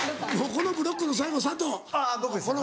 このブロックの最後。